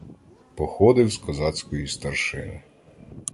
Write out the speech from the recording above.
Походив з козацької старшини.